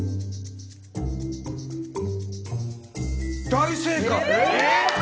大正解。